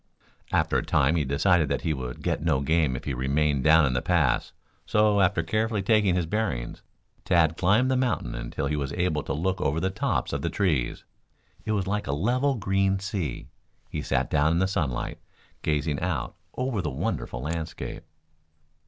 After a time he decided that he would get no game if he remained down in the pass, so, after carefully taking his bearings, Tad climbed the mountain until he was able to look over the tops of the trees. It was like a level green sea. He sat down in the sunlight, gazing out over the wonderful landscape.